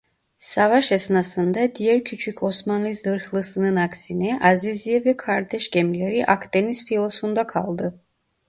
Savaş esnasında diğer küçük Osmanlı zırhlısının aksine "Aziziye" ve kardeş gemileri Akdeniz Filosu'nda kaldı.